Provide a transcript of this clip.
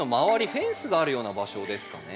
フェンスがあるような場所ですかね。